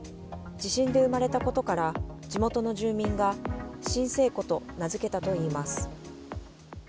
地震で生まれたことから、地元の住民が、震生湖と名付けたといいます。